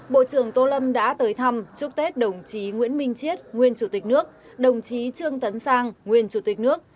bộ trưởng tô lâm đã tới thăm chúc tết đồng chí nguyễn minh chiết nguyên chủ tịch nước đồng chí trương tấn sang nguyên chủ tịch nước